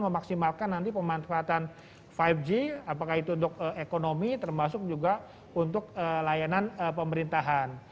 memaksimalkan nanti pemanfaatan lima g apakah itu untuk ekonomi termasuk juga untuk layanan pemerintahan